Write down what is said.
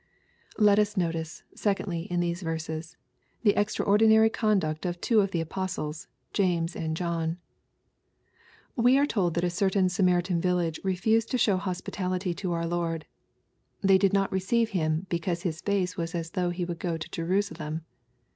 Let us notice, secondly, in these verses, the extraordi nary conduct of two of the apostles, James and John. We are told that a certain Samaritan village refused to show hospitality to our Lord. ^* They did not receive him, because his face was as though he would go to Jerusalem."